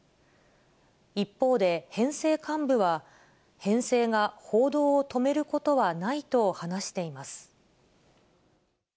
一方で、編成幹部は編成が報道を止めることはないと話しています。